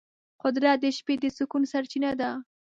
قدرت د شپې د سکون سرچینه ده.